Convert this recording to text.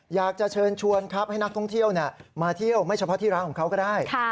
อยากจะเชิญชวนครับให้นักท่องเที่ยวมาเที่ยวไม่เฉพาะที่ร้านของเขาก็ได้